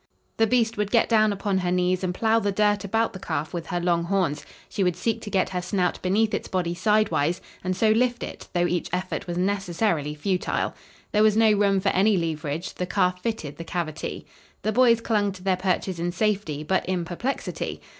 The beast would get down upon her knees and plow the dirt about the calf with her long horns. She would seek to get her snout beneath its body sidewise, and so lift it, though each effort was necessarily futile. There was no room for any leverage, the calf fitted the cavity. The boys clung to their perches in safety, but in perplexity.